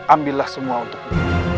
ambillah semua untukmu